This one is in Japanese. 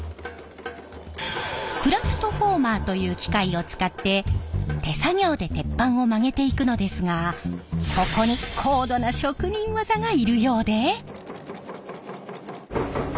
クラフトフォーマーという機械を使って手作業で鉄板を曲げていくのですがここにはあ。